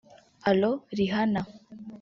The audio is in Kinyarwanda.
Allo Rihanna